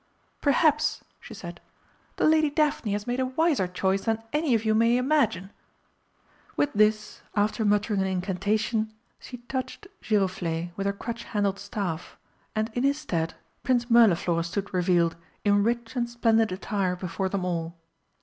"Perhaps," she said, "the Lady Daphne has made a wiser choice than any of you may imagine." With this, after muttering an incantation, she touched Giroflé with her crutch handled staff, and in his stead Prince Mirliflor stood revealed in rich and splendid attire before them all.